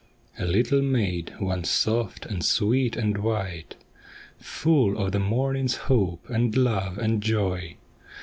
A little maid once soft and sweet and white. Full of the morning's hope, and love and joy.